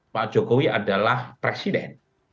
pak jokowi adalah presiden